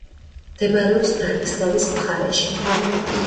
მდებარეობს ბრატისლავის მხარეში.